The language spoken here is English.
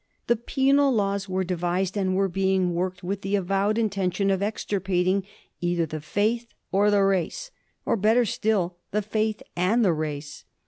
The Penal Laws were devised and were being worked with the avowed intention of extirpating either the faith or the race— or, better still, the faith and the race.